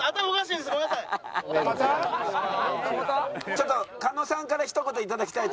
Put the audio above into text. ちょっと狩野さんからひと言頂きたいと思います。